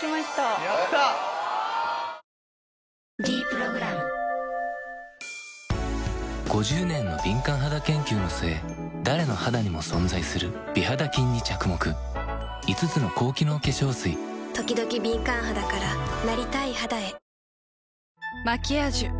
「ｄプログラム」５０年の敏感肌研究の末誰の肌にも存在する美肌菌に着目５つの高機能化粧水ときどき敏感肌からなりたい肌へ「マキアージュ」